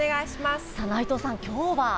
内藤さん、今日は？